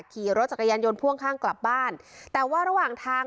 ขี่รถจักรยานยนต์พ่วงข้างกลับบ้านแต่ว่าระหว่างทาง